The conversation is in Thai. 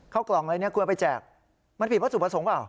เข้ากล่องอะไรนี้คุณเอาไปแจกมันผิดว่าถูกประสงค์เปล่า